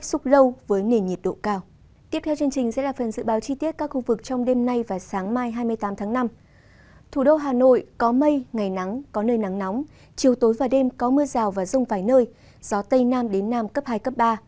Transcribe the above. phía hà nội có mây ngày nắng có nơi nắng nóng chiều tối và đêm có mưa rào và rông vài nơi gió tây nam đến nam cấp hai cấp ba